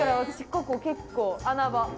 ここ結構穴場。